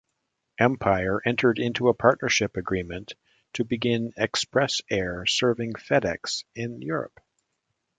Empire entered into a partnership agreement to begin Express Air serving FedEx in Europe.